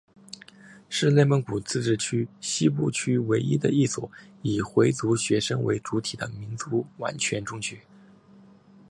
是内蒙古自治区西部区唯一的一所以回族学生为主体的民族完全中学。